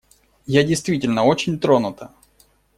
Я действительно очень тронута.